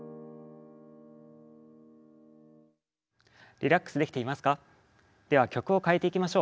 リラックスできていますか？